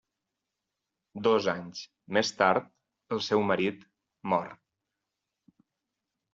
Dos anys més tard el seu marit mor.